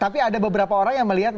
tapi ada beberapa orang yang melihat